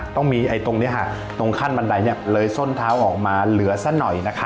ต้องมีตรงนี้ค่ะตรงขั้นบันไดเลยส้นเท้าออกมาเหลือซะหน่อยนะคะ